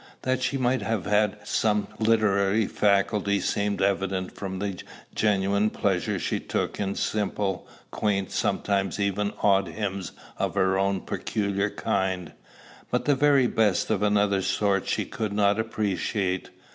That she must have had some literary faculty seems evident from the genuine pleasure she took in simple, quaint, sometimes even odd hymns of her own peculiar kind. But the very best of another sort she could not appreciate.